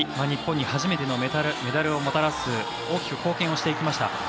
日本に初めてのメダルをもたらす大きく貢献していきました。